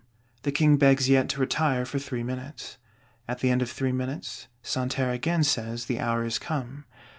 The King begs yet to retire for three minutes. At the end of three minutes, Santerre again says the hour is come.